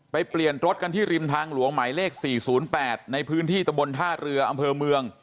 เปลี่ยนรถกันที่ริมทางหลวงหมายเลข๔๐๘ในพื้นที่ตะบนท่าเรืออำเภอเมือง